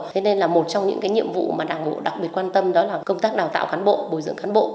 thế nên là một trong những cái nhiệm vụ mà đảng bộ đặc biệt quan tâm đó là công tác đào tạo cán bộ bồi dưỡng cán bộ